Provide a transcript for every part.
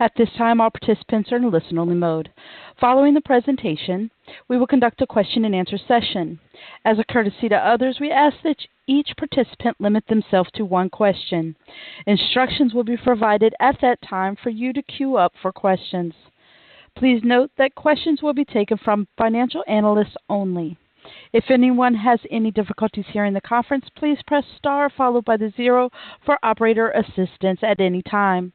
At this time, all participants are in listen-only mode. Following the presentation, we will conduct a question and answer session. As a courtesy to others, we ask that each participant limit themselves to one question. Instructions will be provided at that time for you to queue up for questions. Please note that questions will be taken from financial analysts only. If anyone has any difficulties hearing the conference, please press star followed by the zero for operator assistance at any time.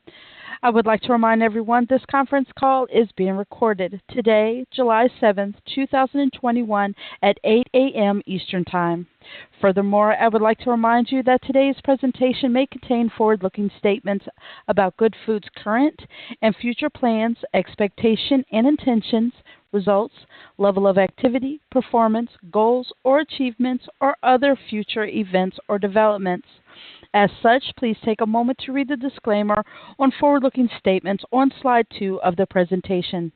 I would like to remind everyone this conference call is being recorded today, July 7th, 2021 at 8 A.M. Eastern Time. Furthermore, I would like to remind you that today's presentation may contain forward-looking statements about Goodfood's current and future plans, expectations and intentions, results, level of activity, performance, goals or achievements or other future events or developments. As such, please take a moment to read the disclaimer on forward-looking statements on slide two of the presentation.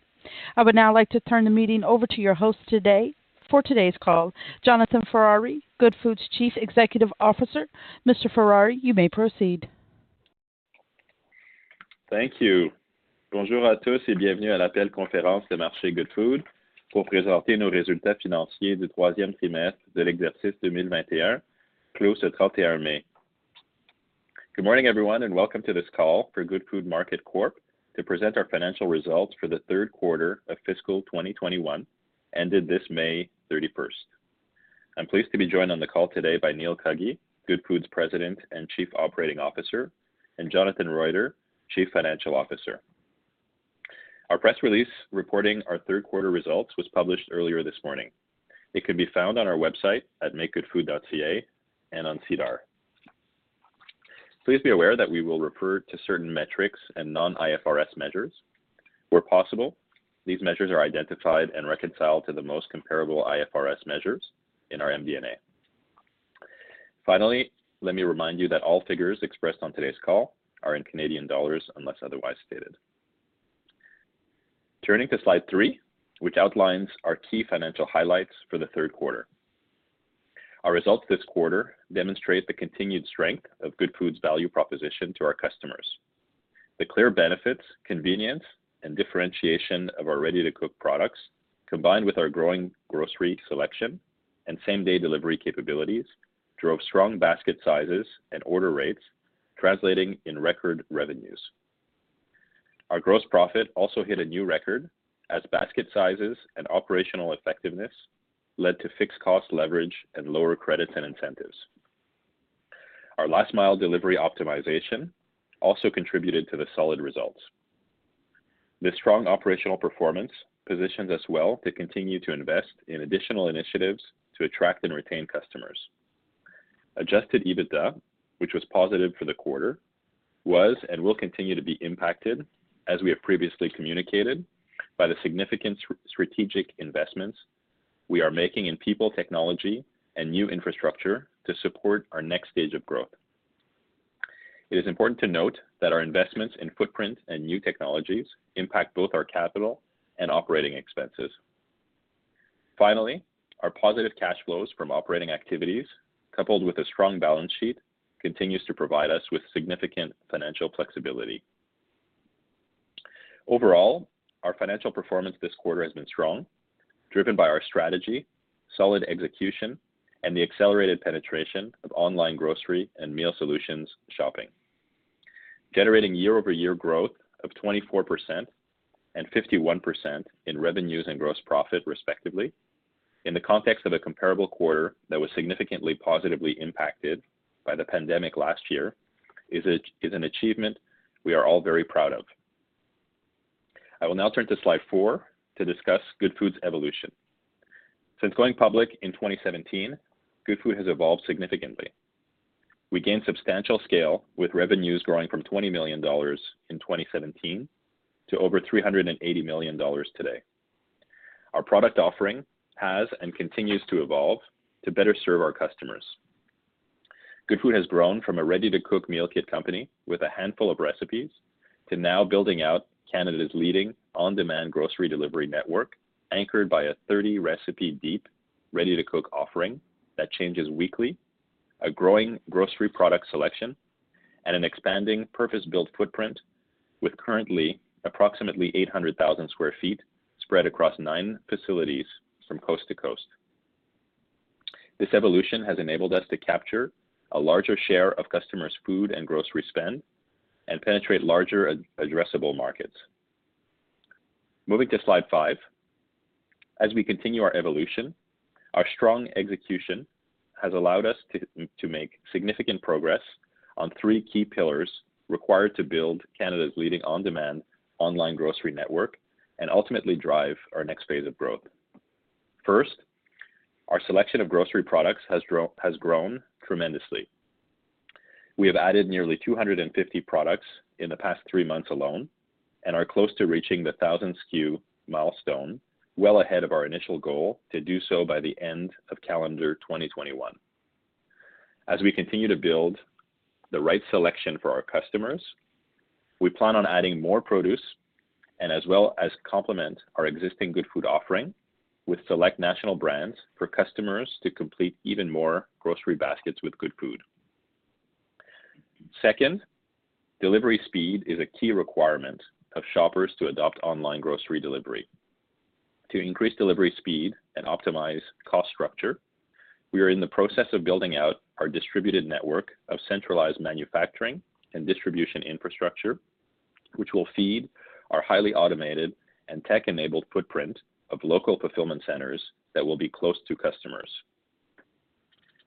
I would now like to turn the meeting over to your host today for today's call, Jonathan Ferrari, Goodfood's Chief Executive Officer. Mr. Ferrari, you may proceed. Thank you. Good morning, everyone, and welcome to this call for Goodfood Market Corp. to present our financial results for the Q3 of fiscal 2021 ended May 31. I'm pleased to be joined on the call today by Neil Cuggy, Goodfood's President and Chief Operating Officer, and Jonathan Roiter, Chief Financial Officer. Our press release reporting our Q3 results was published earlier this morning. It can be found on our website at makegoodfood.ca and on SEDAR. Please be aware that we will refer to certain metrics and non-IFRS measures. Where possible, these measures are identified and reconciled to the most comparable IFRS measures in our MD&A. Finally, let me remind you that all figures expressed on today's call are in Canadian dollars unless otherwise stated. Turning to slide three, which outlines our key financial highlights for the Q3. Our results this quarter demonstrate the continued strength of Goodfood's value proposition to our customers. The clear benefits, convenience, and differentiation of our ready-to-cook products, combined with our growing grocery selection and same-day delivery capabilities, drove strong basket sizes and order rates, translating into record revenues. Our gross profit also hit a new record as basket sizes and operational effectiveness led to fixed cost leverage and lower credits and incentives. Our last mile delivery optimization also contributed to the solid results. This strong operational performance positions us well to continue to invest in additional initiatives to attract and retain customers. Adjusted EBITDA, which was positive for the quarter, was and will continue to be impacted, as we have previously communicated, by the significant strategic investments we are making in people, technology and new infrastructure to support our next stage of growth. It is important to note that our investments in footprint and new technologies impact both our capital and operating expenses. Finally, our positive cash flows from operating activities, coupled with a strong balance sheet, continues to provide us with significant financial flexibility. Overall, our financial performance this quarter has been strong, driven by our strategy, solid execution, and the accelerated penetration of online grocery and meal solutions shopping. Generating year-over-year growth of 24% and 51% in revenues and gross profit, respectively, in the context of a comparable quarter that was significantly positively impacted by the pandemic last year is an achievement we are all very proud of. I will now turn to slide four to discuss Goodfood's evolution. Since going public in 2017, Goodfood has evolved significantly. We gained substantial scale with revenues growing from 20 million dollars in 2017 to over 380 million dollars today. Our product offering has and continues to evolve to better serve our customers. Goodfood has grown from a ready-to-cook meal kit company with a handful of recipes to now building out Canada's leading on-demand grocery delivery network, anchored by a 30-recipe deep ready-to-cook offering that changes weekly, a growing grocery product selection, and an expanding purpose-built footprint with currently approximately 800,000 sq ft spread across nine facilities from coast to coast. This evolution has enabled us to capture a larger share of customers' food and grocery spend and penetrate larger addressable markets. Moving to slide five. As we continue our evolution, our strong execution has allowed us to make significant progress on three key pillars required to build Canada's leading on-demand online grocery network and ultimately drive our next phase of growth. First, our selection of grocery products has grown tremendously. We have added nearly 250 products in the past three months alone and are close to reaching the 1,000 SKU milestone well ahead of our initial goal to do so by the end of calendar 2021. As we continue to build the right selection for our customers, we plan on adding more produce and as well as complement our existing Goodfood offering with select national brands for customers to complete even more grocery baskets with Goodfood. Second, delivery speed is a key requirement of shoppers to adopt online grocery delivery. To increase delivery speed and optimize cost structure, we are in the process of building out our distributed network of centralized manufacturing and distribution infrastructure, which will feed our highly automated and tech-enabled footprint of local fulfillment centers that will be close to customers.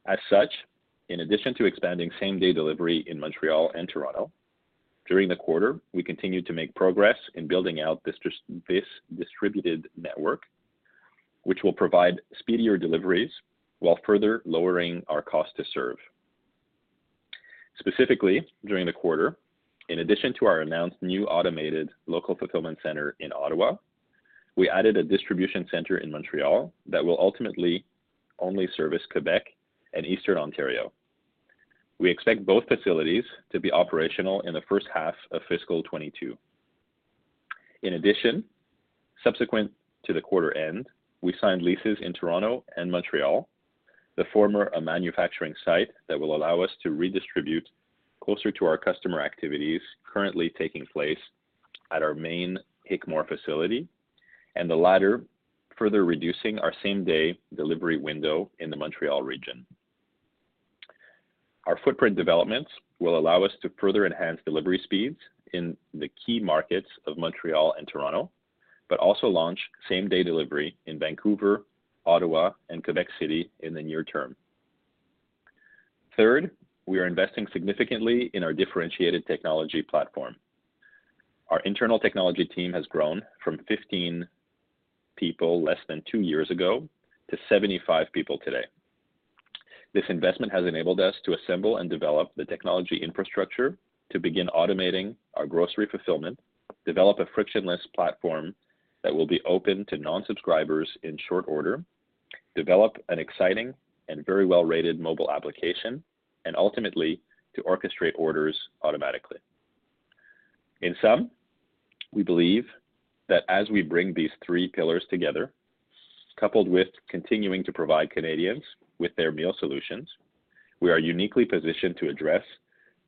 As such, in addition to expanding same-day delivery in Montreal and Toronto, during the quarter, we continued to make progress in building out this distributed network, which will provide speedier deliveries while further lowering our cost to serve. Specifically, during the quarter, in addition to our announced new automated local fulfillment center in Ottawa, we added a distribution center in Montreal that will ultimately only service Quebec and Eastern Ontario. We expect both facilities to be operational in the first half of fiscal 2022. In addition, subsequent to the quarter end, we signed leases in Toronto and Montreal, the former a manufacturing site that will allow us to redistribute closer to our customer activities currently taking place at our main Hickmore facility, and the latter further reducing our same-day delivery window in the Montreal region. Our footprint developments will allow us to further enhance delivery speeds in the key markets of Montreal and Toronto, but also launch same-day delivery in Vancouver, Ottawa, and Quebec City in the near term. Third, we are investing significantly in our differentiated technology platform. Our internal technology team has grown from 15 people less than two years ago to 75 people today. This investment has enabled us to assemble and develop the technology infrastructure to begin automating our grocery fulfillment, develop a frictionless platform that will be open to non-subscribers in short order, develop an exciting and very well-rated mobile application, and ultimately to orchestrate orders automatically. In sum, we believe that as we bring these three pillars together, coupled with continuing to provide Canadians with their meal solutions, we are uniquely positioned to address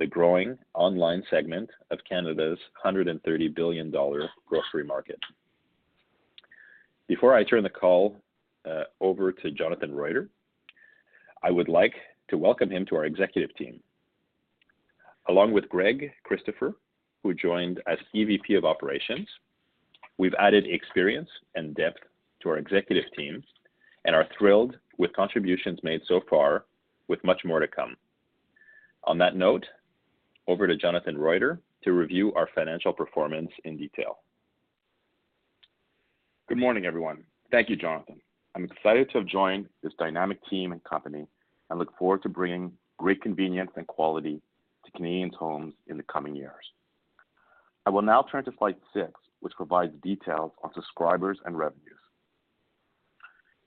the growing online segment of Canada's 130 billion dollar grocery market. Before I turn the call over to Jonathan Roiter, I would like to welcome him to our executive team. Along with Greg Christopher, who joined as EVP of Operations, we've added experience and depth to our executive team and are thrilled with contributions made so far, with much more to come. On that note, over to Jonathan Roiter to review our financial performance in detail. Good morning, everyone. Thank you, Jonathan. I'm excited to have joined this dynamic team and company and look forward to bringing great convenience and quality to Canadians' homes in the coming years. I will now turn to slide six, which provides details on subscribers and revenues.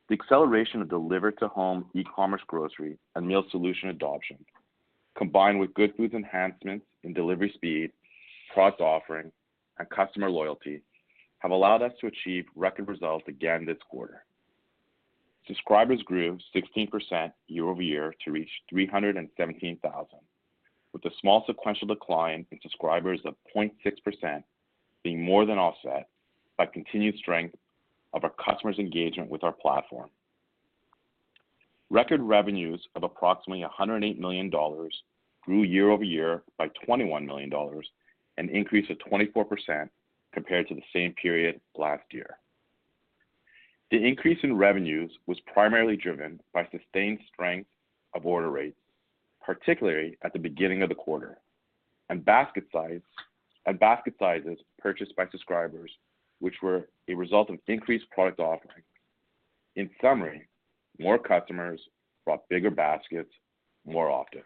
The acceleration of delivered to home e-commerce grocery and meal solution adoption, combined with Goodfood's enhancements in delivery speed, product offering, and customer loyalty, have allowed us to achieve record results again this quarter. Subscribers grew 16% year-over-year to reach 317,000, with a small sequential decline in subscribers of 0.6% being more than offset by continued strength of our customers' engagement with our platform. Record revenues of approximately 108 million dollars grew year-over-year by 21 million dollars, an increase of 24% compared to the same period last year. The increase in revenues was primarily driven by sustained strength of order rates, particularly at the beginning of the quarter, and basket size, and basket sizes purchased by subscribers, which were a result of increased product offerings. In summary, more customers brought bigger baskets more often.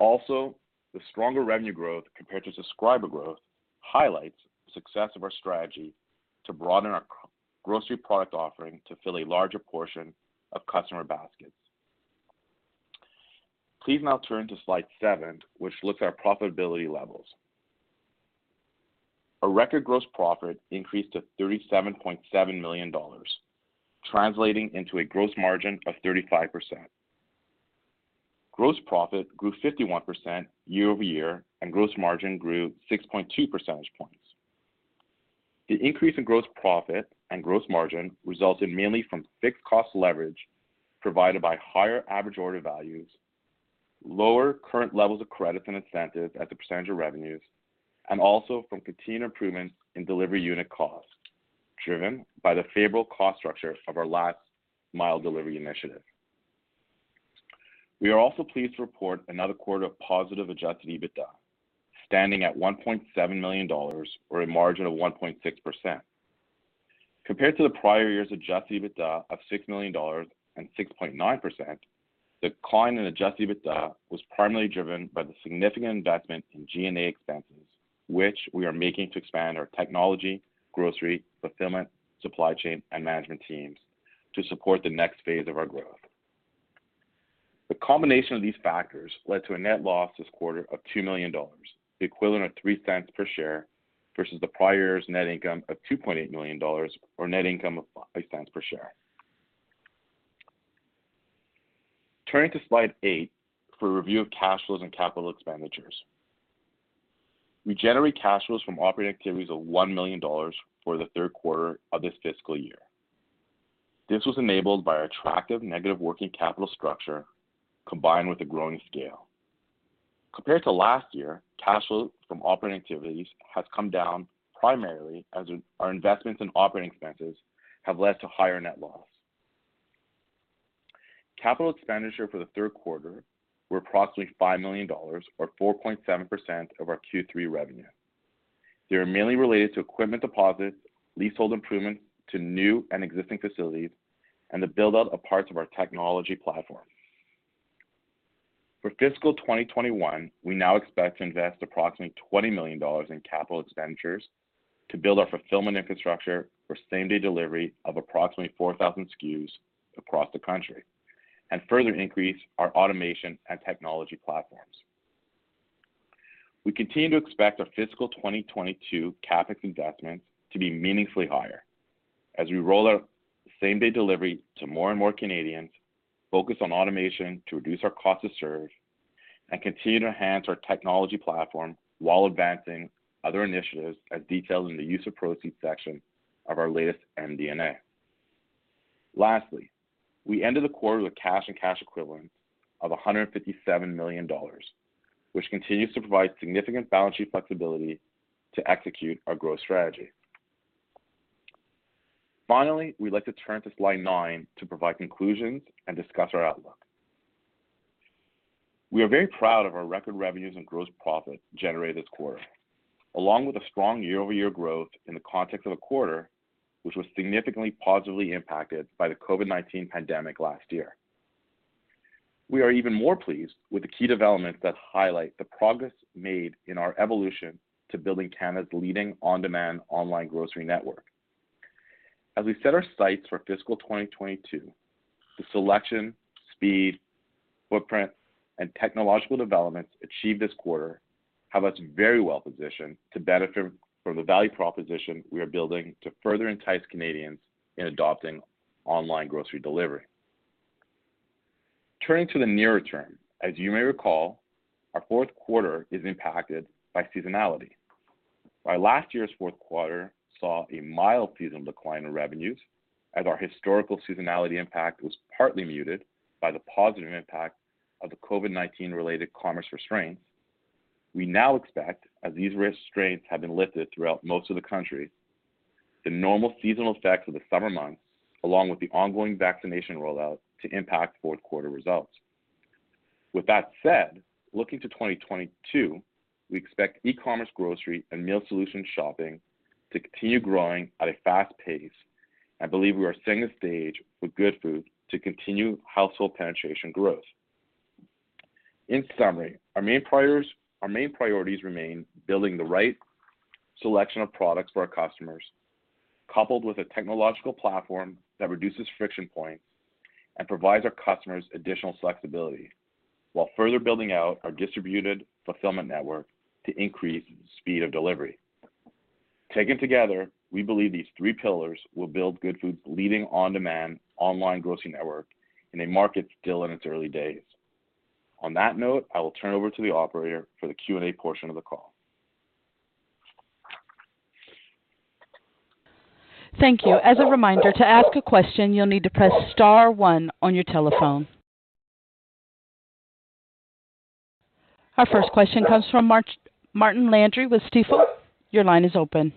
Also, the stronger revenue growth compared to subscriber growth highlights the success of our strategy to broaden our grocery product offering to fill a larger portion of customer baskets. Please now turn to slide seven, which looks at our profitability levels. A record gross profit increased to 37.7 million dollars, translating into a gross margin of 35%. Gross profit grew 51% year-over-year, and gross margin grew 6.2 percentage points. The increase in gross profit and gross margin resulted mainly from fixed cost leverage provided by higher average order values, lower current levels of credits and incentives at the percentage of revenues, and also from continued improvements in delivery unit costs, driven by the favorable cost structure of our last mile delivery initiative. We are also pleased to report another quarter of positive adjusted EBITDA, standing at 1.7 million dollars or a margin of 1.6%. Compared to the prior year's adjusted EBITDA of 6 million dollars and 6.9%, the decline in adjusted EBITDA was primarily driven by the significant investment in G&A expenses, which we are making to expand our technology, grocery, fulfillment, supply chain, and management teams to support the next phase of our growth. The combination of these factors led to a net loss this quarter of 2 million dollars, the equivalent of 0.03 per share versus the prior year's net income of 2.8 million dollars or net income of 0.05 per share. Turning to slide eight for a review of cash flows and capital expenditures. We generate cash flows from operating activities of 1 million dollars for the Q3 of this fiscal year. This was enabled by our attractive negative working capital structure combined with the growing scale. Compared to last year, cash flow from operating activities has come down primarily as our investments and operating expenses have led to higher net loss. Capital expenditure for the Q3 were approximately 5 million dollars or 4.7% of our Q3 revenue. They are mainly related to equipment deposits, leasehold improvements to new and existing facilities, and the build-out of parts of our technology platform. For fiscal 2021, we now expect to invest approximately 20 million dollars in capital expenditures to build our fulfillment infrastructure for same-day delivery of approximately 4,000 SKUs across the country and further increase our automation and technology platforms. We continue to expect our fiscal 2022 CapEx investments to be meaningfully higher as we roll out same-day delivery to more and more Canadians, focus on automation to reduce our cost to serve, and continue to enhance our technology platform while advancing other initiatives as detailed in the use of proceeds section of our latest MD&A. We ended the quarter with cash and cash equivalents of 157 million dollars, which continues to provide significant balance sheet flexibility to execute our growth strategy. We'd like to turn to slide nine to provide conclusions and discuss our outlook. We are very proud of our record revenues and gross profit generated this quarter, along with a strong year-over-year growth in the context of a quarter which was significantly positively impacted by the COVID-19 pandemic last year. We are even more pleased with the key developments that highlight the progress made in our evolution to building Canada's leading on-demand online grocery network. As we set our sights for fiscal 2022, the selection, speed, footprint, and technological developments achieved this quarter have us very well positioned to benefit from the value proposition we are building to further entice Canadians in adopting online grocery delivery. Turning to the nearer term, as you may recall, our Q4 is impacted by seasonality. While last year's Q4 saw a mild seasonal decline in revenues, as our historical seasonality impact was partly muted by the positive impact of the COVID-19 related commerce restraints, we now expect, as these restraints have been lifted throughout most of the country, the normal seasonal effects of the summer months, along with the ongoing vaccination rollout, to impact Q4 results. With that said, looking to 2022, we expect e-commerce grocery and meal solution shopping to continue growing at a fast pace, and believe we are setting the stage for Goodfood to continue household penetration growth. In summary, our main priorities remain building the right selection of products for our customers, coupled with a technological platform that reduces friction points and provides our customers additional flexibility while further building out our distributed fulfillment network to increase speed of delivery. Taken together, we believe these three pillars will build Goodfood's leading on-demand online grocery network in a market still in its early days. On that note, I will turn over to the operator for the Q&A portion of the call. Thank you. As a reminder, to ask a question, you'll need to press star one on your telephone. Our first question comes from Martin Landry with Stifel. Your line is open.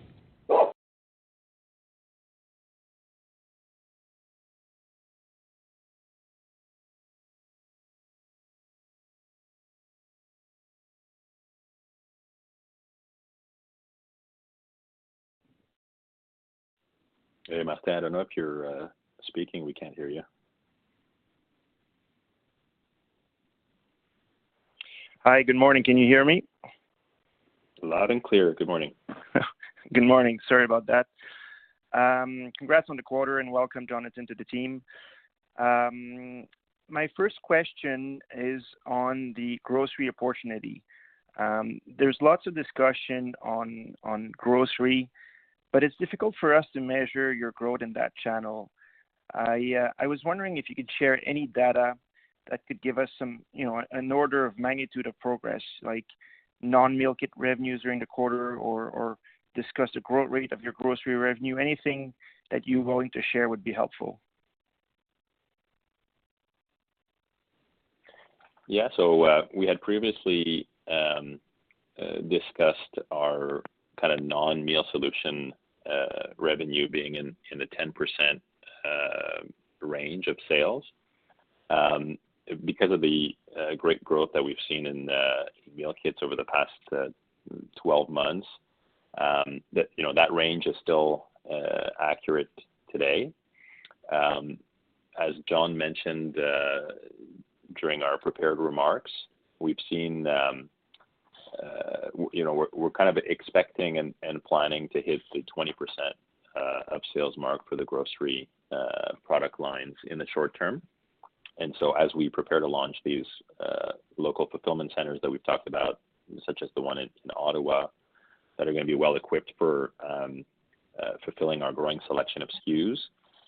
Hey, Martin. I don't know if you're speaking. We can't hear you. Hi. Good morning. Can you hear me? Loud and clear. Good morning. Good morning. Sorry about that. Congrats on the quarter and welcome Jonathan to the team. My first question is on the grocery opportunity. There's lots of discussion on grocery, but it's difficult for us to measure your growth in that channel. I was wondering if you could share any data that could give us some, you know, an order of magnitude of progress like non-meal kit revenues during the quarter or discuss the growth rate of your grocery revenue. Anything that you're willing to share would be helpful. We had previously discussed our kind of non-meal solution revenue being in the 10% range of sales. Because of the great growth that we've seen in the meal kits over the past 12 months, that, you know, that range is still accurate today. As Jonathan mentioned during our prepared remarks, you know, we're kind of expecting and planning to hit the 20% of sales mark for the grocery product lines in the short term. As we prepare to launch these local fulfillment centers that we've talked about, such as the one in Ottawa, that are gonna be well equipped for fulfilling our growing selection of SKUs,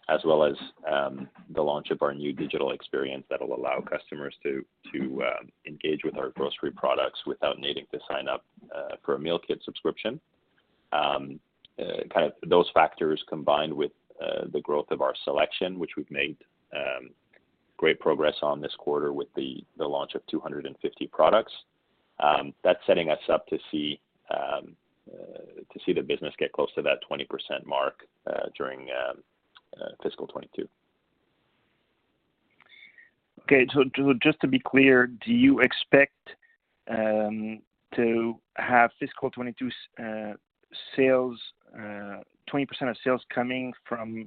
as well as the launch of our new digital experience that'll allow customers to engage with our grocery products without needing to sign up for a meal kit subscription. Those factors combined with the growth of our selection, which we've made great progress on this quarter with the launch of 250 products, that's setting us up to see the business get close to that 20% mark during fiscal 2022. Just to be clear, do you expect to have fiscal 2022 sales, 20% of sales coming from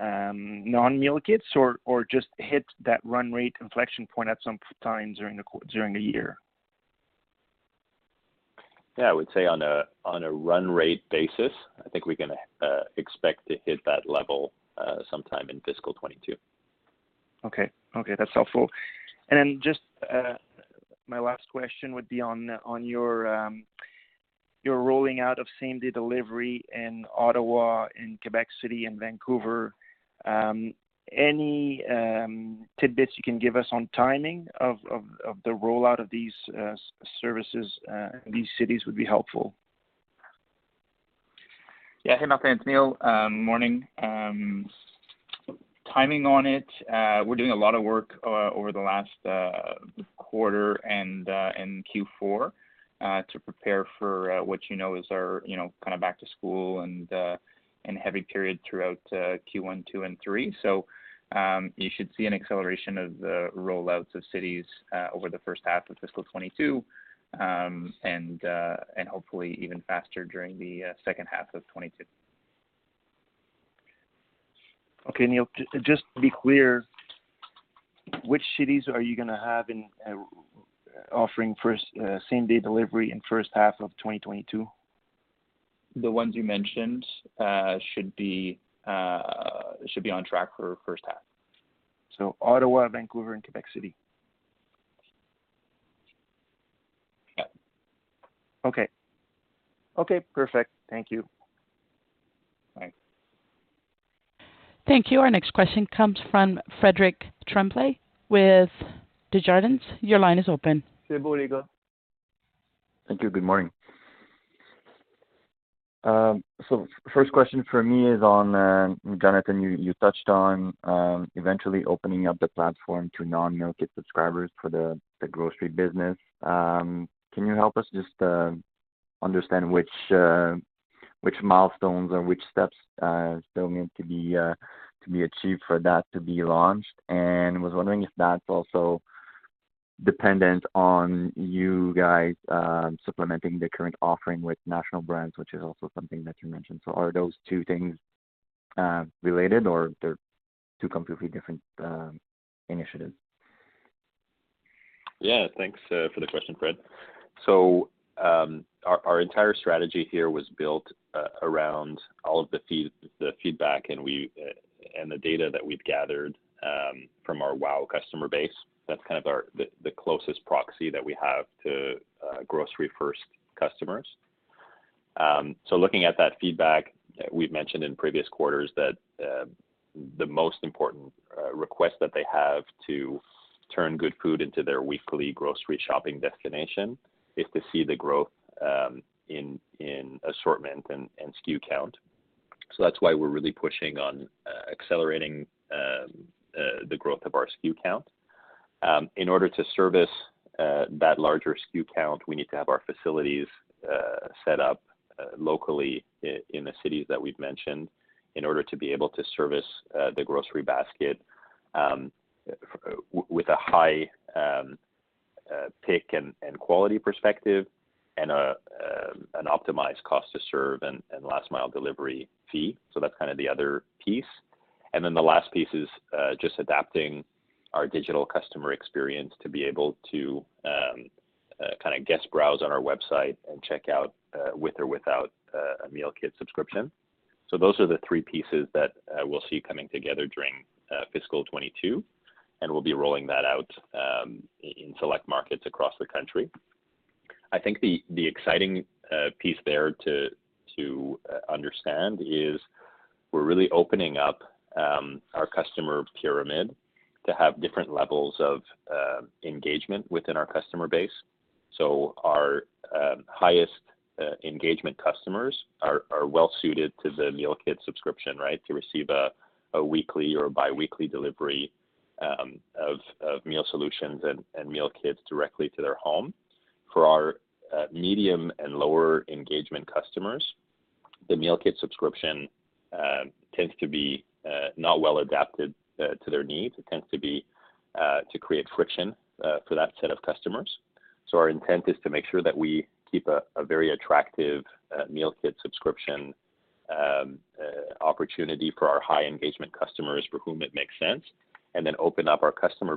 non-meal kits or just hit that run rate inflection point at some point in time during the year? Yeah, I would say on a run rate basis, I think we can expect to hit that level sometime in fiscal 2022. Okay. Okay, that's helpful. Then just, my last question would be on your rolling out of same-day delivery in Ottawa, Quebec City and Vancouver. Any tidbits you can give us on timing of the rollout of these services in these cities would be helpful. Yeah. Hey, Martin, it's Neil. Morning. Timing on it, we're doing a lot of work over the last quarter and in Q4 to prepare for what you know is our, you know, kind of back to school and heavy period throughout Q1, Q2, and Q3. You should see an acceleration of the rollouts of cities over the first half of fiscal 2022 and hopefully even faster during the second half of 2022. Okay, Neil, just to be clear, which cities are you gonna have in offering first, same-day delivery in first half of 2022? The ones you mentioned should be on track for first half. Ottawa, Vancouver, and Quebec City. Yeah. Okay. Okay, perfect. Thank you. Thanks. Thank you. Our next question comes from Frederic Tremblay with Desjardins. Your line is open. Thank you. Good morning. First question for me is on Jonathan, you touched on eventually opening up the platform to non-meal kit subscribers for the grocery business. Can you help us just understand which milestones or which steps still need to be achieved for that to be launched? And was wondering if that's also dependent on you guys supplementing the current offering with national brands, which is also something that you mentioned. Are those two things related or they're two completely different initiatives? Yeah, thanks for the question, Fred. Our entire strategy here was built around all of the feedback and the data that we've gathered from our WOW customer base. That's kind of the closest proxy that we have to grocery first customers. Looking at that feedback, we've mentioned in previous quarters that the most important request that they have to turn Goodfood into their weekly grocery shopping destination is to see the growth in assortment and SKU count. That's why we're really pushing on accelerating the growth of our SKU count. In order to service that larger SKU count, we need to have our facilities set up locally in the cities that we've mentioned in order to be able to service the grocery basket with a high pick and quality perspective and an optimized cost to serve and last mile delivery fee. That's kind of the other piece. The last piece is just adapting our digital customer experience to be able to kind of guest browse on our website and check out with or without a meal kit subscription. Those are the three pieces that we'll see coming together during fiscal 2022, and we'll be rolling that out in select markets across the country. I think the exciting piece there to understand is we're really opening up our customer pyramid to have different levels of engagement within our customer base. Our highest engagement customers are well suited to the meal kit subscription, right? To receive a weekly or biweekly delivery of meal solutions and meal kits directly to their home. For our medium and lower engagement customers, the meal kit subscription tends to be not well adapted to their needs. It tends to create friction for that set of customers. Our intent is to make sure that we keep a very attractive meal kit subscription opportunity for our high engagement customers for whom it makes sense, and then open up our customer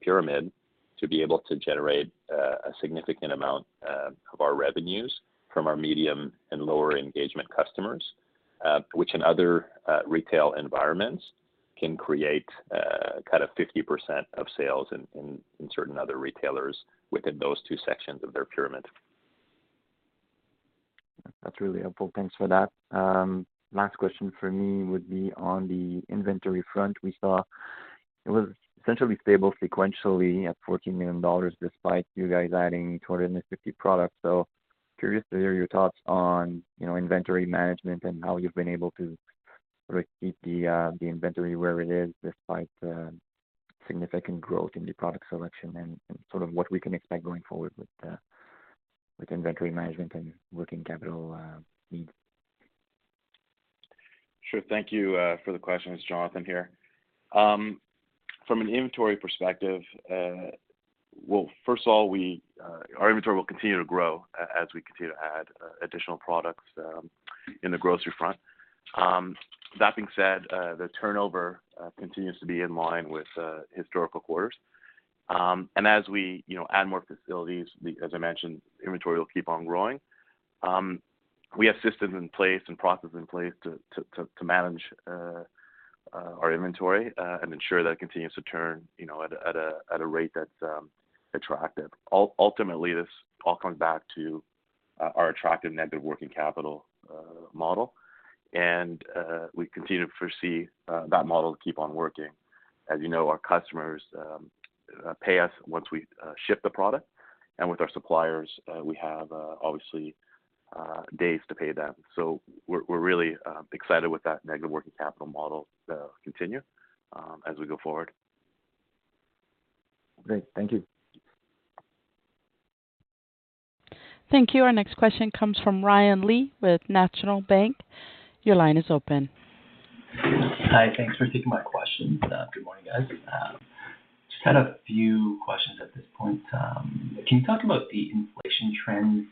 pyramid to be able to generate a significant amount of our revenues from our medium and lower engagement customers, which in other retail environments can create kind of 50% of sales in certain other retailers within those two sections of their pyramid. That's really helpful. Thanks for that. Last question for me would be on the inventory front. We saw it was essentially stable sequentially at 14 million dollars despite you guys adding 250 products. Curious to hear your thoughts on, you know, inventory management and how you've been able to sort of keep the inventory where it is despite the significant growth in the product selection and sort of what we can expect going forward with inventory management and working capital needs. Sure. Thank you for the question. It's Jonathan here. From an inventory perspective, well, first of all, our inventory will continue to grow as we continue to add additional products in the grocery front. That being said, the turnover continues to be in line with historical quarters. As we, you know, add more facilities, the, as I mentioned, inventory will keep on growing. We have systems in place and processes in place to manage our inventory and ensure that continues to turn, you know, at a rate that's attractive. Ultimately, this all comes back to our attractive negative working capital model, and we continue to foresee that model to keep on working. As you know, our customers pay us once we ship the product, and with our suppliers, we have obviously days to pay them. We're really excited with that negative working capital model to continue as we go forward. Great. Thank you. Thank you. Our next question comes from Ryan Lee with National Bank. Your line is open. Hi. Thanks for taking my question. Good morning, guys. Just had a few questions at this point. Can you talk about the inflation trends,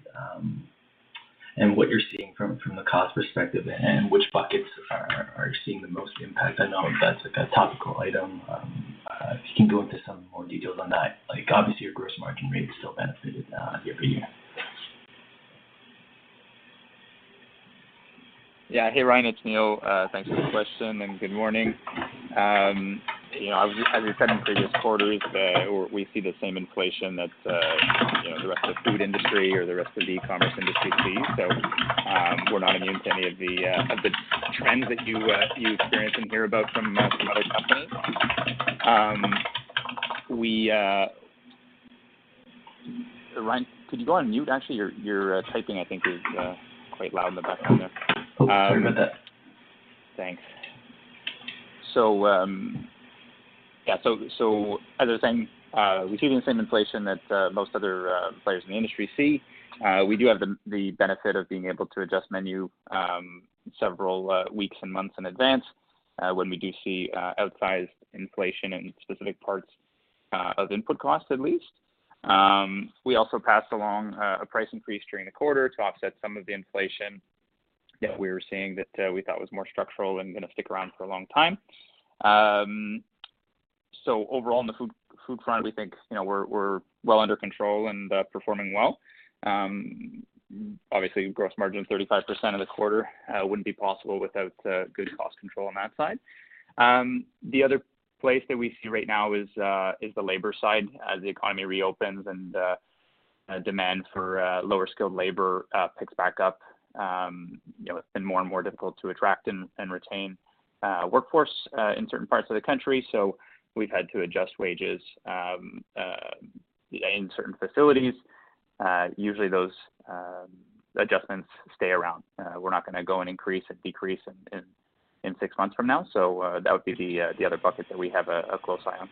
and what you're seeing from the cost perspective, and which buckets are seeing the most impact? I know that's a topical item. If you can go into some more details on that, like obviously your gross margin rate still benefited year-over-year. Yeah. Hey, Ryan, it's Neil. Thanks for the question, and good morning. You know, as we've said in previous quarters, we see the same inflation that you know, the rest of the food industry or the rest of the e-commerce industry sees. We're not immune to any of the trends that you experience and hear about from other companies. Ryan, could you go on mute? Actually, your typing, I think, is quite loud in the background there. Oh, sorry about that. Thanks. As I was saying, we've seen the same inflation that most other players in the industry see. We do have the benefit of being able to adjust menu several weeks and months in advance when we do see outsized inflation in specific parts of input costs, at least. We also passed along a price increase during the quarter to offset some of the inflation that we were seeing that we thought was more structural and gonna stick around for a long time. Overall, on the food front, we think, you know, we're well under control and performing well. Obviously, gross margin of 35% for the quarter wouldn't be possible without good cost control on that side. The other place that we see right now is the labor side. As the economy reopens and demand for lower skilled labor picks back up, you know, it's been more and more difficult to attract and retain workforce in certain parts of the country, so we've had to adjust wages in certain facilities. Usually those adjustments stay around. We're not gonna go and increase and decrease in six months from now. That would be the other bucket that we have a close eye on.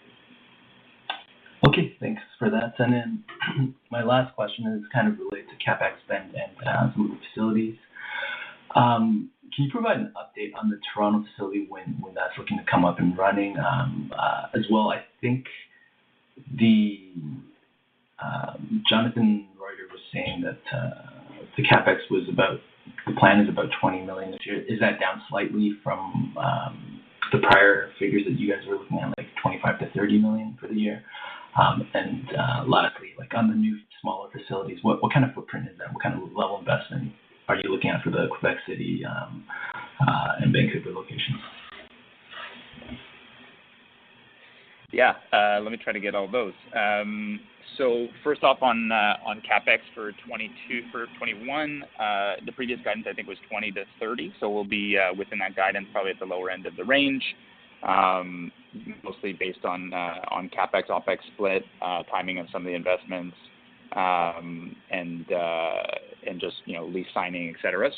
Okay. Thanks for that. My last question is kind of related to CapEx spend and some of the facilities. Can you provide an update on the Toronto facility when that's looking to come up and running? As well I think Jonathan Roiter was saying that the plan is about 20 million this year. Is that down slightly from the prior figures that you guys were looking at, like 25 million-30 million for the year? Lastly, like on the new smaller facilities, what kind of footprint is that? What kind of level investment are you looking at for the Quebec City and Vancouver locations? Yeah. Let me try to get all those. First off on CapEx for 2021, the previous guidance I think was 20-30. We'll be within that guidance, probably at the lower end of the range, mostly based on CapEx, OpEx split, timing of some of the investments, and just, you know, lease signing, et cetera.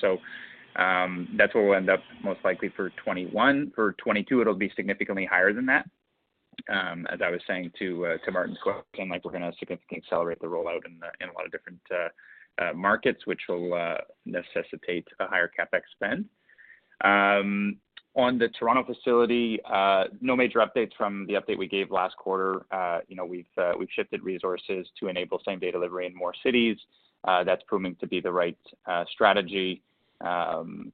That's where we'll end up most likely for 2021. For 2022 it'll be significantly higher than that. As I was saying to Martin's question, like we're gonna significantly accelerate the rollout in a lot of different markets, which will necessitate a higher CapEx spend. On the Toronto facility, no major updates from the update we gave last quarter. You know, we've shifted resources to enable same-day delivery in more cities. That's proving to be the right strategy.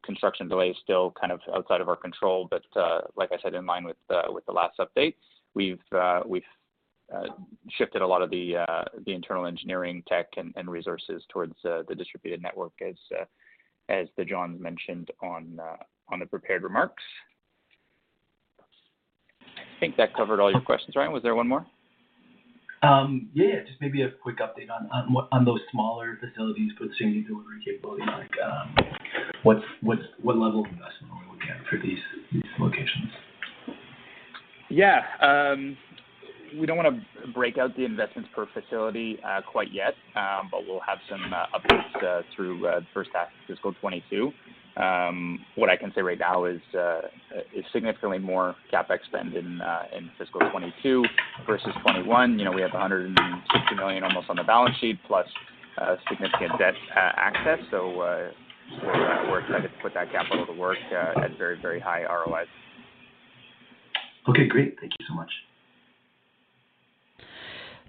Construction delay is still kind of outside of our control, but like I said, in line with the last update, we've shifted a lot of the internal engineering tech and resources towards the distributed network as Jonathan mentioned on the prepared remarks. I think that covered all your questions, Ryan. Was there one more? Yeah, just maybe a quick update on those smaller facilities for the same-day delivery capability, like, what level of investment are we looking at for these locations? Yeah. We don't wanna break out the investments per facility quite yet, but we'll have some updates through the first half of fiscal 2022. What I can say right now is significantly more CapEx spend in fiscal 2022 versus 2021. You know, we have 160 million almost on the balance sheet plus significant debt access. We're excited to put that capital to work at very, very high ROIs. Okay, great. Thank you so much.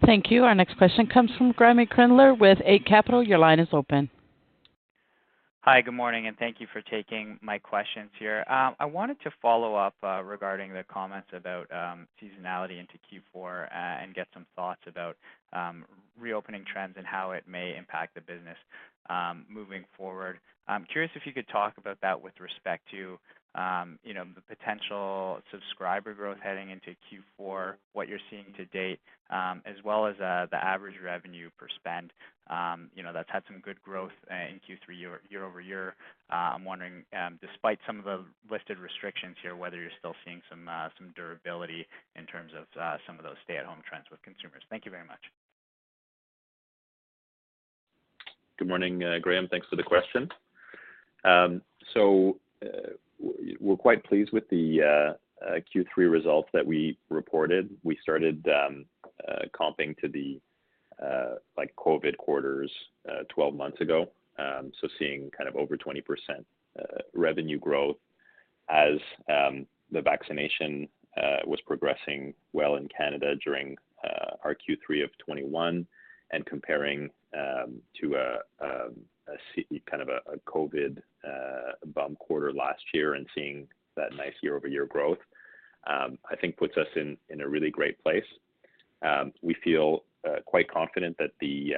Thank you. Our next question comes from Graeme Kreindler with Eight Capital. Your line is open. Hi, good morning, and thank you for taking my questions here. I wanted to follow up regarding the comments about seasonality into Q4 and get some thoughts about reopening trends and how it may impact the business moving forward. I'm curious if you could talk about that with respect to, you know, the potential subscriber growth heading into Q4, what you're seeing to date, as well as the average revenue per spend. You know, that's had some good growth in Q3 year-over-year. I'm wondering, despite some of the lifted restrictions here, whether you're still seeing some durability in terms of some of those stay-at-home trends with consumers. Thank you very much. Good morning, Graeme. Thanks for the question. We're quite pleased with the Q3 results that we reported. We started comping to the like COVID quarters 12 months ago, so seeing kind of over 20% revenue growth as the vaccination was progressing well in Canada during our Q3 of 2021 and comparing to a kind of a COVID bum quarter last year and seeing that nice year-over-year growth I think puts us in a really great place. We feel quite confident that the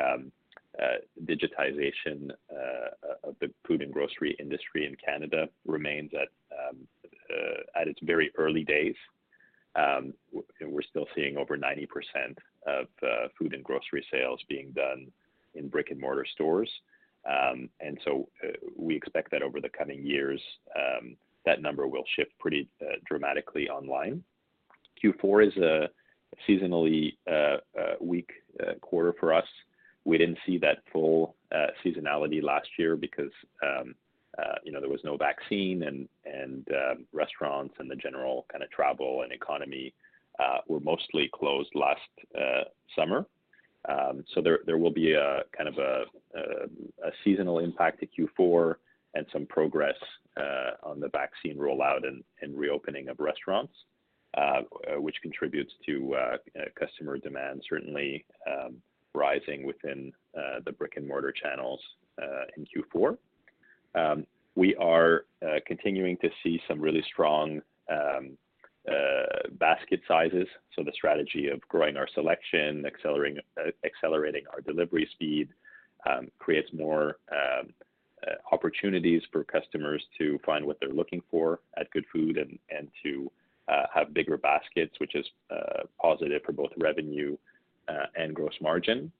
digitization of the food and grocery industry in Canada remains at its very early days. We're still seeing over 90% of food and grocery sales being done in brick-and-mortar stores. We expect that over the coming years, that number will shift pretty dramatically online. Q4 is a seasonally weak quarter for us. We didn't see that full seasonality last year because you know, there was no vaccine, and restaurants and the general kind of travel and economy were mostly closed last summer. There will be a kind of seasonal impact to Q4 and some progress on the vaccine rollout and reopening of restaurants, which contributes to customer demand certainly rising within the brick-and-mortar channels in Q4. We are continuing to see some really strong basket sizes, so the strategy of growing our selection, accelerating our delivery speed, creates more opportunities for customers to find what they're looking for at Goodfood and to have bigger baskets, which is positive for both revenue and gross margin.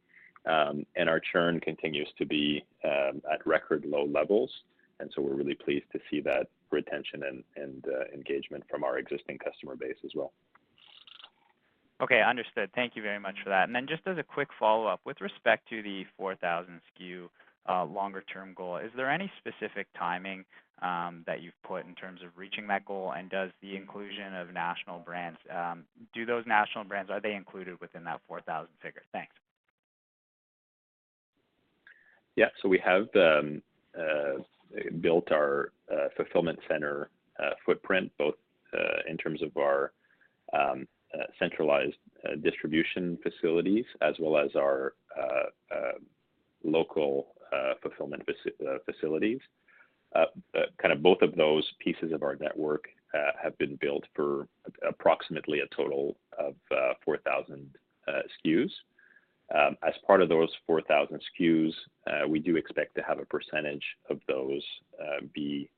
Our churn continues to be at record low levels, and so we're really pleased to see that retention and engagement from our existing customer base as well. Okay, understood. Thank you very much for that. Just as a quick follow-up, with respect to the 4,000 SKU longer term goal, is there any specific timing that you've put in terms of reaching that goal? Are those national brands included within that 4,000 figure? Thanks. Yeah. We have built our fulfillment center footprint both in terms of our centralized distribution facilities as well as our local fulfillment facilities. Kind of both of those pieces of our network have been built for approximately a total of 4,000 SKUs. As part of those 4,000 SKUs, we do expect to have a percentage of those be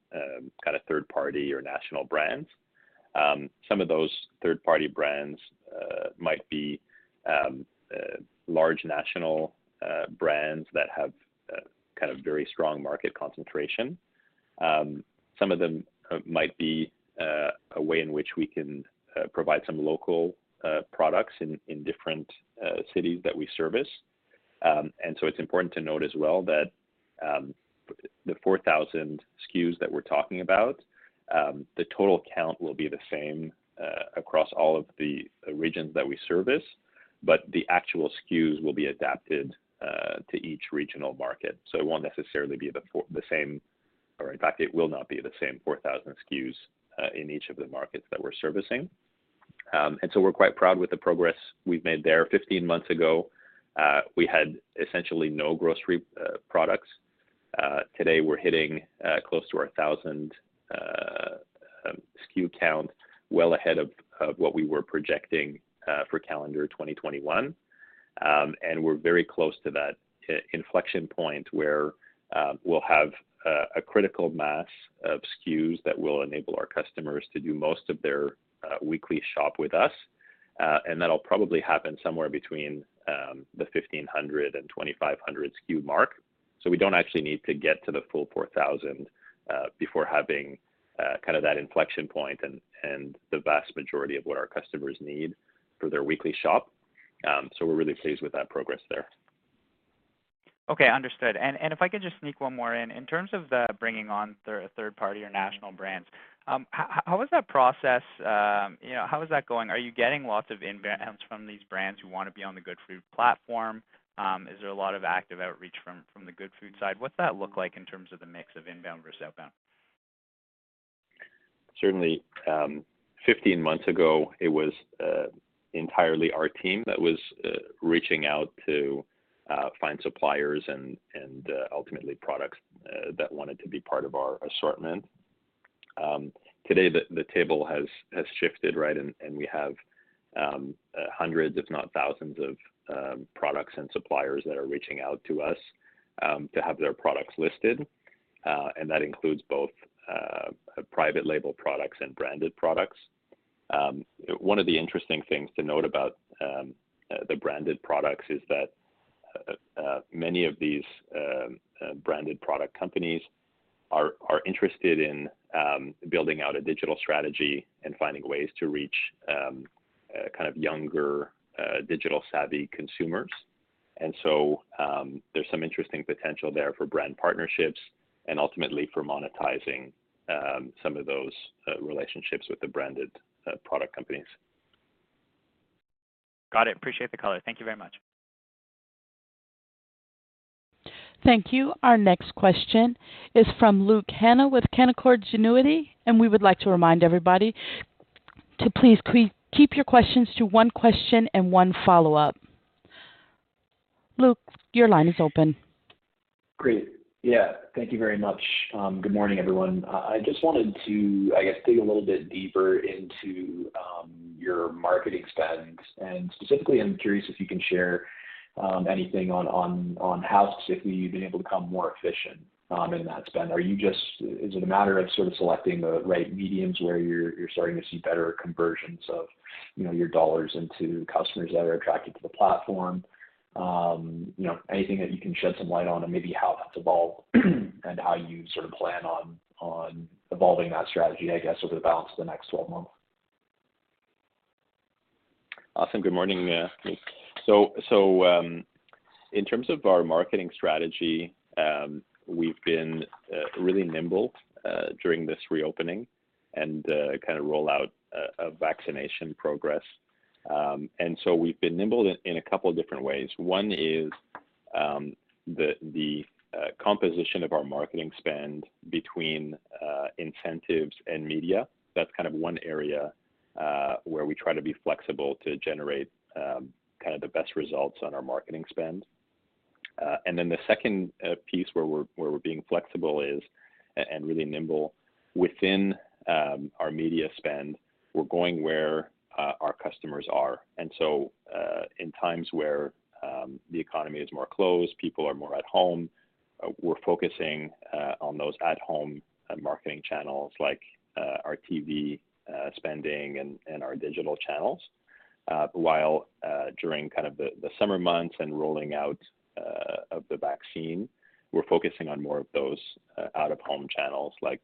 kind of third-party or national brands. Some of those third-party brands might be large national brands that have kind of very strong market concentration. Some of them might be a way in which we can provide some local products in different cities that we service. It's important to note as well that the 4,000 SKUs that we're talking about, the total count will be the same across all of the regions that we service. But the actual SKUs will be adapted to each regional market. It won't necessarily be the same, or in fact, it will not be the same 4,000 SKUs in each of the markets that we're servicing. We're quite proud with the progress we've made there. 15 months ago, we had essentially no grocery products. Today we're hitting close to our 1,000 SKU count well ahead of what we were projecting for calendar 2021. We're very close to that inflection point where we'll have a critical mass of SKUs that will enable our customers to do most of their weekly shop with us. That'll probably happen somewhere between the 1,500-2,500 SKU mark. We don't actually need to get to the full 4,000 before having kind of that inflection point and the vast majority of what our customers need for their weekly shop. We're really pleased with that progress there. Okay, understood. If I could just sneak one more in. In terms of the bringing on third party or national brands, how was that process? You know, how is that going? Are you getting lots of inbounds from these brands who wanna be on the Goodfood platform? Is there a lot of active outreach from the Goodfood side? What's that look like in terms of the mix of inbound versus outbound? Certainly, 15 months ago, it was entirely our team that was reaching out to find suppliers and ultimately products that wanted to be part of our assortment. Today the table has shifted, right? We have hundreds if not thousands of products and suppliers that are reaching out to us to have their products listed. That includes both private label products and branded products. One of the interesting things to note about the branded products is that many of these branded product companies are interested in building out a digital strategy and finding ways to reach kind of younger digital savvy consumers. There's some interesting potential there for brand partnerships and ultimately for monetizing some of those relationships with the branded product companies. Got it. Appreciate the color. Thank you very much. Thank you. Our next question is from Luke Hannan with Canaccord Genuity, and we would like to remind everybody to please keep your questions to one question and one follow-up. Luke, your line is open. Great. Yeah. Thank you very much. Good morning, everyone. I just wanted to, I guess, dig a little bit deeper into your marketing spends. Specifically, I'm curious if you can share anything on how specifically you've been able to become more efficient in that spend. Is it a matter of sort of selecting the right mediums where you're starting to see better conversions of, you know, your dollars into customers that are attracted to the platform? You know, anything that you can shed some light on and maybe how that's evolved and how you sort of plan on evolving that strategy, I guess, over the balance of the next 12 months. Awesome. Good morning, Luke. In terms of our marketing strategy, we've been really nimble during this reopening and kind of rollout of vaccination progress. We've been nimble in a couple of different ways. One is the composition of our marketing spend between incentives and media. That's kind of one area where we try to be flexible to generate kind of the best results on our marketing spend. The second piece where we're being flexible is and really nimble within our media spend. We're going where our customers are. In times where the economy is more closed, people are more at home, we're focusing on those at-home marketing channels like our TV spending and our digital channels. While during kind of the summer months and rolling out of the vaccine, we're focusing on more of those out-of-home channels like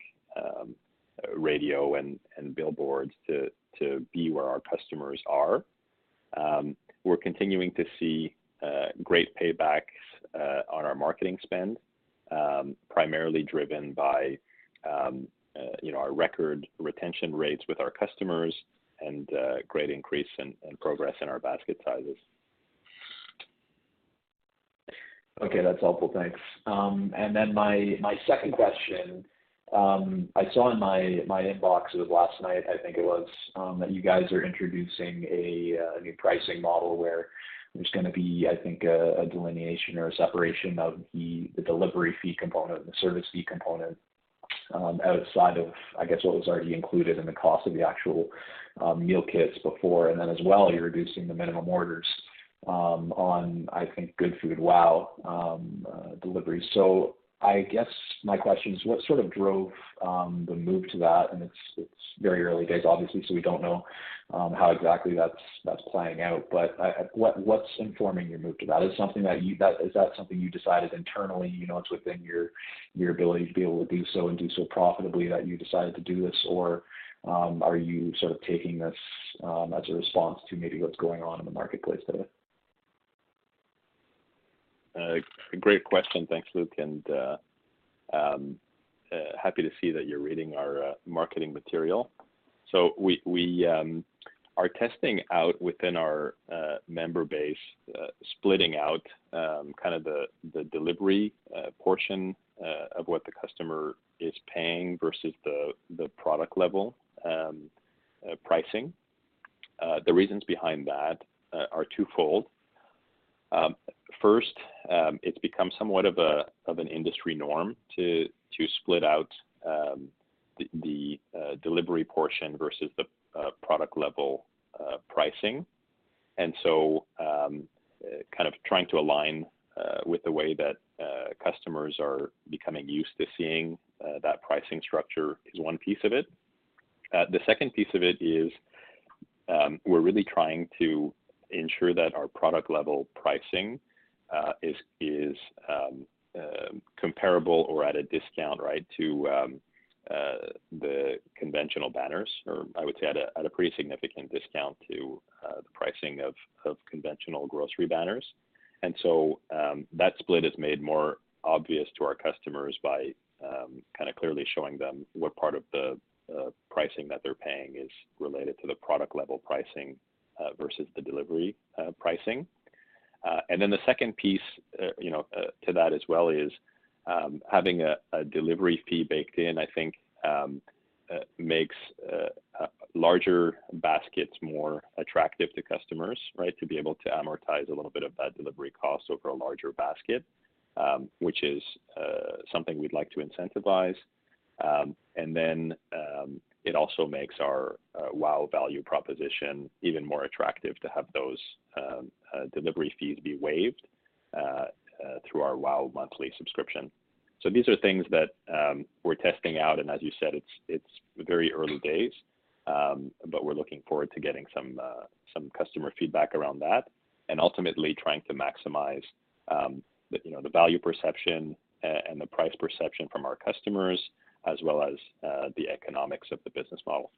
radio and billboards to be where our customers are. We're continuing to see great paybacks on our marketing spend, primarily driven by you know, our record retention rates with our customers and great increase in and progress in our basket sizes. Okay. That's helpful. Thanks. Then my second question, I saw in my inbox it was last night, I think it was, that you guys are introducing a new pricing model where there's gonna be, I think, a delineation or a separation of the delivery fee component and the service fee component, outside of, I guess, what was already included in the cost of the actual meal kits before. Then as well, you're reducing the minimum orders on, I think, Goodfood WOW delivery. I guess my question is, what sort of drove the move to that? It's very early days, obviously, so we don't know how exactly that's playing out. What's informing your move to that? Is it something that you decided internally? You know, it's within your ability to be able to do so and do so profitably that you decided to do this? Or, are you sort of taking this as a response to maybe what's going on in the marketplace today? Great question. Thanks, Luke, and happy to see that you're reading our marketing material. We are testing out within our member base splitting out kind of the delivery portion of what the customer is paying versus the product level pricing. The reasons behind that are twofold. First, it's become somewhat of an industry norm to split out the delivery portion versus the product level pricing. Kind of trying to align with the way that customers are becoming used to seeing that pricing structure is one piece of it. The second piece of it is, we're really trying to ensure that our product level pricing is comparable or at a discount, right, to the conventional banners or I would say at a pretty significant discount to the pricing of conventional grocery banners. That split is made more obvious to our customers by kind of clearly showing them what part of the pricing that they're paying is related to the product level pricing versus the delivery pricing. The second piece to that as well is, you know, having a delivery fee baked in, I think, makes larger baskets more attractive to customers, right? To be able to amortize a little bit of that delivery cost over a larger basket, which is something we'd like to incentivize. It also makes our WOW value proposition even more attractive to have those delivery fees be waived through our WOW monthly subscription. These are things that we're testing out, and as you said, it's very early days, but we're looking forward to getting some customer feedback around that and ultimately trying to maximize the you know the value perception and the price perception from our customers as well as the economics of the business model.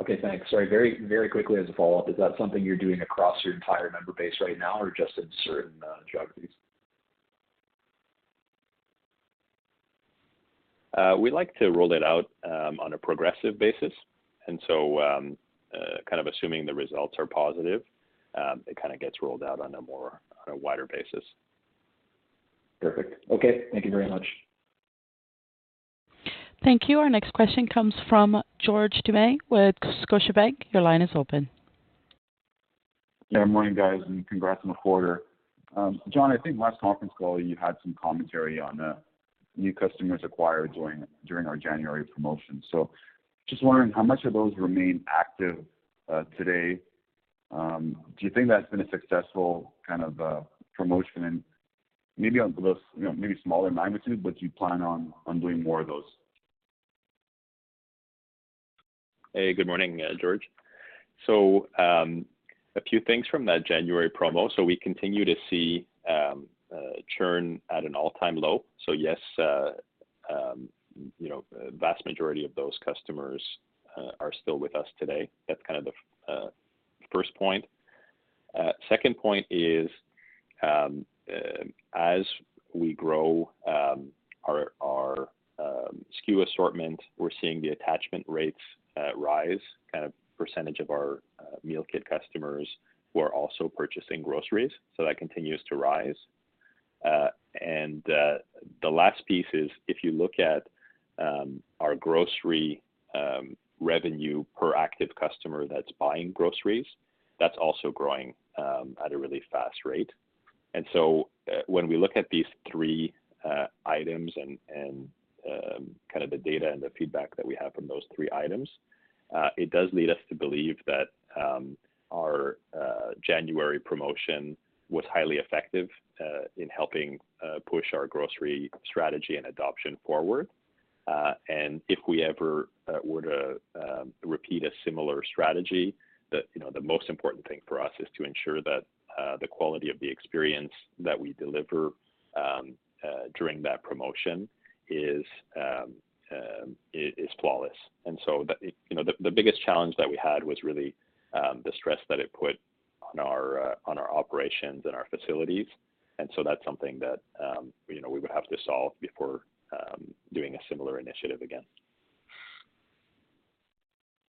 Okay, thanks. Sorry, very, very quickly as a follow-up, is that something you're doing across your entire member base right now or just in certain geographies? We like to roll it out on a progressive basis and so, kind of assuming the results are positive, it kind of gets rolled out on a wider basis. Perfect. Okay, thank you very much. Thank you. Our next question comes from George Doumet with Scotiabank. Your line is open. Morning, guys, and congrats on the quarter. Jonathan, I think last conference call you had some commentary on new customers acquired during our January promotion. Just wondering how much of those remain active today. Do you think that's been a successful kind of promotion and maybe on less, you know, maybe smaller magnitude, would you plan on doing more of those? Hey, good morning, George. A few things from that January promo. We continue to see churn at an all-time low. Yes, you know, vast majority of those customers are still with us today. That's kind of the first point. Second point is, as we grow our SKU assortment, we're seeing the attachment rates rise, kind of percentage of our meal kit customers who are also purchasing groceries. That continues to rise. The last piece is if you look at our grocery revenue per active customer that's buying groceries, that's also growing at a really fast rate. When we look at these three items and kind of the data and the feedback that we have from those three items, it does lead us to believe that our January promotion was highly effective in helping push our grocery strategy and adoption forward. If we ever were to repeat a similar strategy, you know, the most important thing for us is to ensure that the quality of the experience that we deliver during that promotion is flawless. You know, the biggest challenge that we had was really the stress that it put on our operations and our facilities. That's something that you know, we would have to solve before doing a similar initiative again.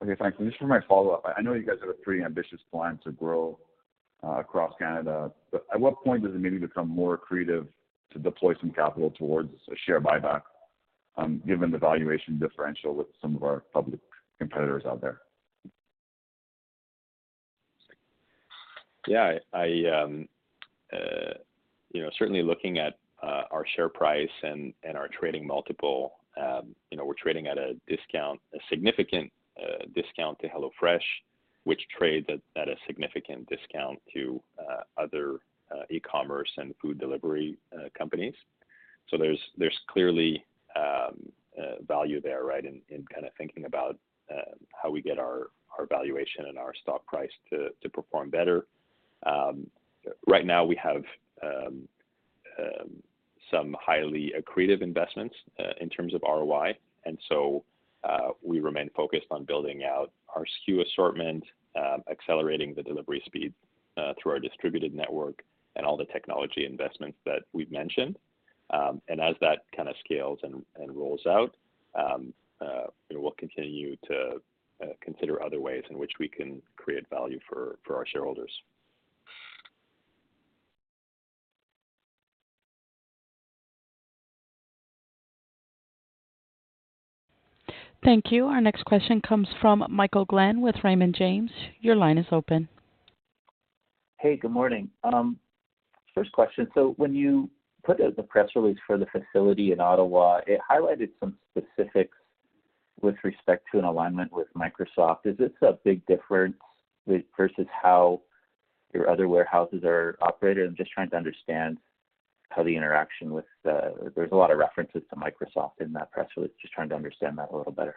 Okay, thanks. Just for my follow-up, I know you guys have a pretty ambitious plan to grow across Canada, but at what point does it maybe become more accretive to deploy some capital towards a share buyback, given the valuation differential with some of our public competitors out there? Yeah, you know, certainly looking at our share price and our trading multiple, you know, we're trading at a discount, a significant discount to HelloFresh, which trades at a significant discount to other e-commerce and food delivery companies. There's clearly value there, right? In kind of thinking about how we get our valuation and our stock price to perform better. Right now we have some highly accretive investments in terms of ROI. We remain focused on building out our SKU assortment, accelerating the delivery speed through our distributed network and all the technology investments that we've mentioned. As that kind of scales and rolls out, you know, we'll continue to consider other ways in which we can create value for our shareholders. Thank you. Our next question comes from Michael Glen with Raymond James. Your line is open. Hey, good morning. First question. When you put out the press release for the facility in Ottawa, it highlighted some specifics with respect to an alignment with Microsoft. Is this a big difference with versus how your other warehouses are operated? I'm just trying to understand how the interaction with the. There's a lot of references to Microsoft in that press release. Just trying to understand that a little better.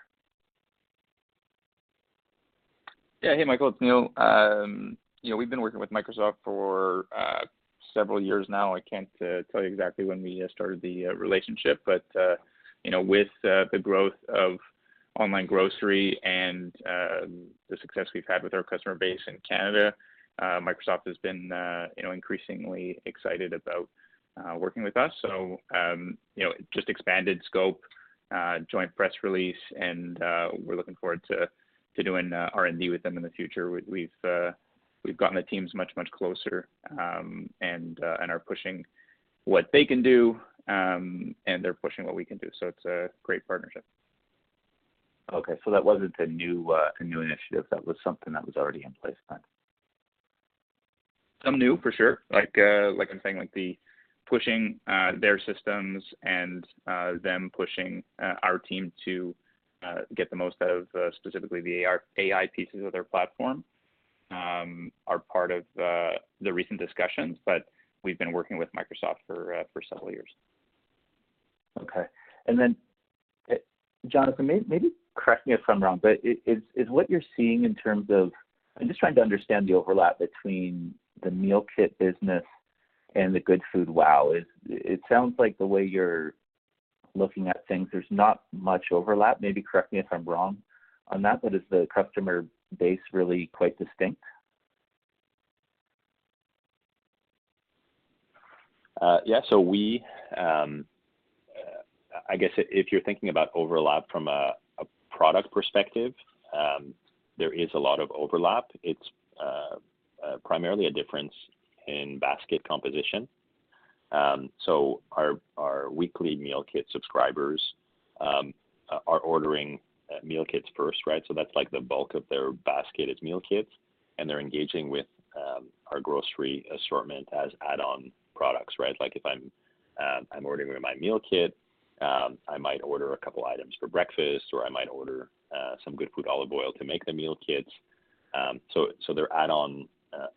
Yeah. Hey, Michael, it's Neil. You know, we've been working with Microsoft for several years now. I can't tell you exactly when we started the relationship, but you know, with the growth of online grocery and the success we've had with our customer base in Canada, Microsoft has been you know, increasingly excited about working with us. You know, just expanded scope, joint press release, and we're looking forward to doing R&D with them in the future. We've gotten the teams much closer, and are pushing what they can do, and they're pushing what we can do. It's a great partnership. Okay. That wasn't a new initiative. That was something that was already in place then. Some new, for sure. Like, I'm saying, like the pushing their systems and them pushing our team to get the most out of specifically the AI pieces of their platform are part of the recent discussions. We've been working with Microsoft for several years. Okay. Jonathan, maybe correct me if I'm wrong, but is what you're seeing in terms of, I'm just trying to understand the overlap between the meal kit business and the Goodfood WOW. It sounds like the way you're looking at things, there's not much overlap. Maybe correct me if I'm wrong on that, but is the customer base really quite distinct? Yeah. I guess if you're thinking about overlap from a product perspective, there is a lot of overlap. It's primarily a difference in basket composition. Our weekly meal kit subscribers are ordering meal kits first, right? That's like the bulk of their basket is meal kits, and they're engaging with our grocery assortment as add-on products, right? Like if I'm ordering my meal kit, I might order a couple of items for breakfast or I might order some Goodfood olive oil to make the meal kits. They're add-on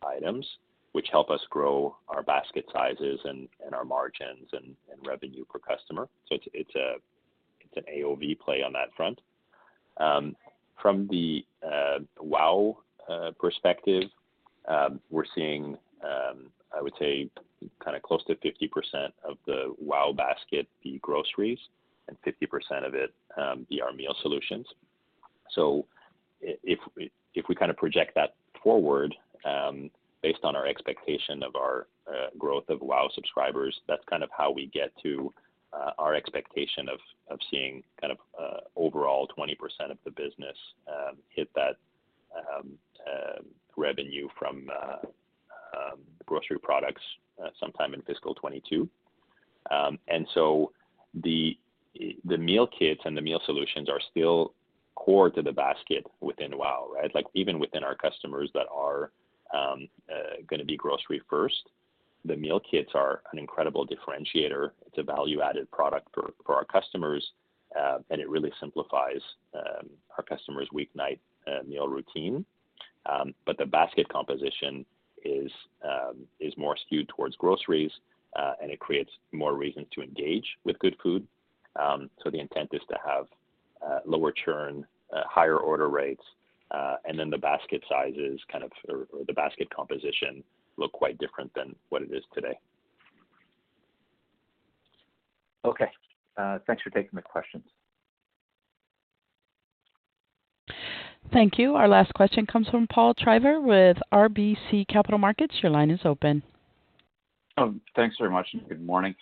items which help us grow our basket sizes and our margins in revenue per customer. It's an AOV play on that front. From the WOW perspective, we're seeing, I would say kinda close to 50% of the WOW basket be groceries and 50% of it be our meal solutions. If we kind of project that forward, based on our expectation of our growth of WOW subscribers, that's kind of how we get to our expectation of seeing kind of overall 20% of the business hit that revenue from grocery products sometime in fiscal 2022. The meal kits and the meal solutions are still core to the basket within WOW, right? Like even within our customers that are gonna be grocery first, the meal kits are an incredible differentiator. It's a value-added product for our customers, and it really simplifies our customers' weeknight meal routine. The basket composition is more skewed towards groceries, and it creates more reasons to engage with Goodfood. The intent is to have lower churn, higher order rates, and then the basket sizes kind of or the basket composition look quite different than what it is today. Okay. Thanks for taking the questions. Thank you. Our last question comes from Paul Treiber with RBC Capital Markets. Your line is open. Oh, thanks very much, and good morning.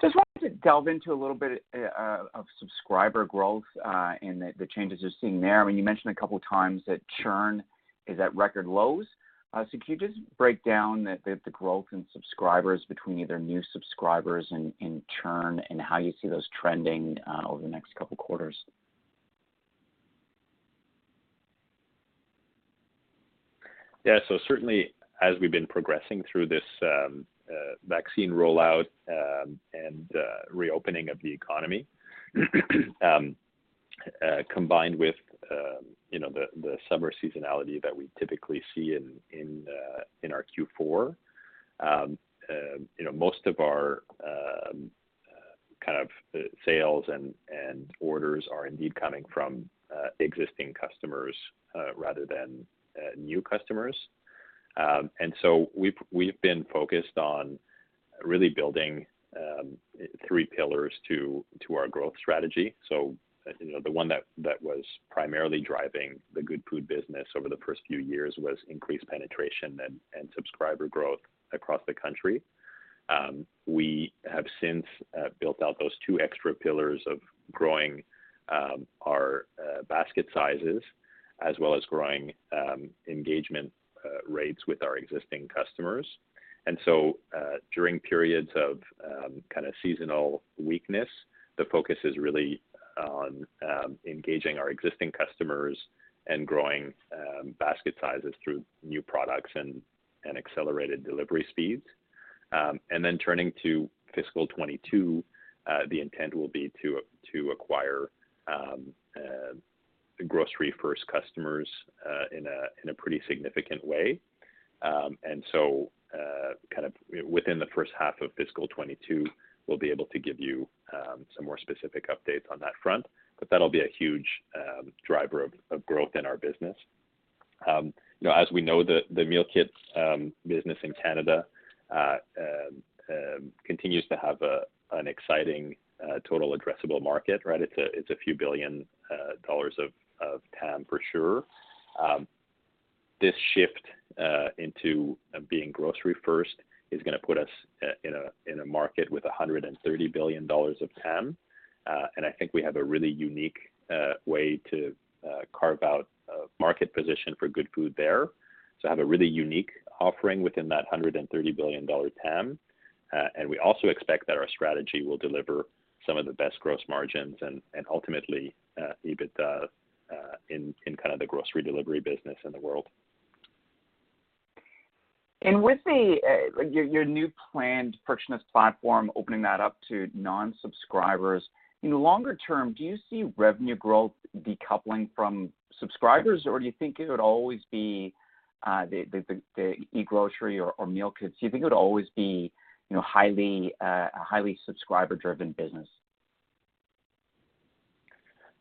Just wanted to delve into a little bit of subscriber growth and the changes you're seeing there. I mean, you mentioned a couple of times that churn is at record lows. Can you just break down the growth in subscribers between either new subscribers and churn and how you see those trending over the next couple quarters? Yeah. So certainly as we've been progressing through this vaccine rollout and reopening of the economy combined with you know, the summer seasonality that we typically see in our Q4, you know, most of our kind of the sales and orders are indeed coming from existing customers rather than new customers. We've been focused on really building three pillars to our growth strategy. You know, the one that was primarily driving the Goodfood business over the first few years was increased penetration and subscriber growth across the country. We have since built out those two extra pillars of growing our basket sizes as well as growing engagement rates with our existing customers. During periods of kind of seasonal weakness, the focus is really on engaging our existing customers and growing basket sizes through new products and accelerated delivery speeds. Turning to fiscal 2022, the intent will be to acquire grocery first customers in a pretty significant way. Kind of within the first half of fiscal 2022, we'll be able to give you some more specific updates on that front, but that'll be a huge driver of growth in our business. You know, as we know, the meal kits business in Canada continues to have an exciting total addressable market, right? It's a few billion CAD of TAM for sure. This shift into being grocery first is gonna put us in a market with 130 billion dollars of TAM. I think we have a really unique way to carve out a market position for Goodfood there. Have a really unique offering within that 130 billion dollar TAM. We also expect that our strategy will deliver some of the best gross margins and ultimately EBITDA in kind of the grocery delivery business in the world. With your new planned frictionless platform, opening that up to non-subscribers, in the longer term, do you see revenue growth decoupling from subscribers? Or do you think it would always be the e-grocery or meal kits? Do you think it would always be, you know, a highly subscriber-driven business?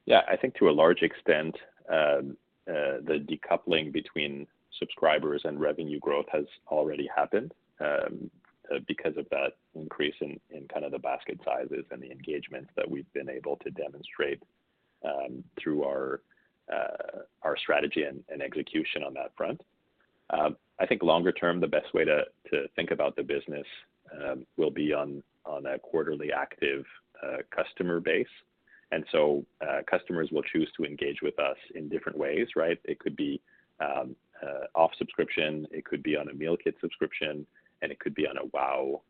Yeah. I think to a large extent, the decoupling between subscribers and revenue growth has already happened, because of that increase in kind of the basket sizes and the engagement that we've been able to demonstrate, through our strategy and execution on that front. I think longer term, the best way to think about the business will be on a quarterly active customer base. Customers will choose to engage with us in different ways, right? It could be off subscription, it could be on a meal kit subscription, and it could be on a WOW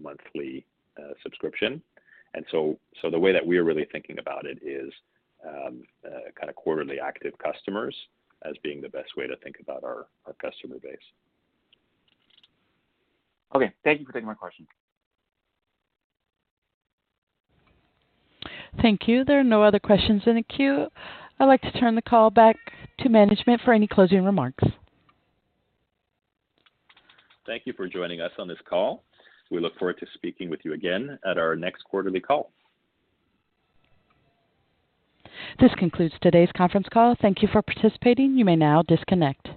monthly subscription. The way that we're really thinking about it is kind of quarterly active customers as being the best way to think about our customer base. Okay. Thank you for taking my question. Thank you. There are no other questions in the queue. I'd like to turn the call back to management for any closing remarks. Thank you for joining us on this call. We look forward to speaking with you again at our next quarterly call. This concludes today's conference call. Thank you for participating. You may now disconnect.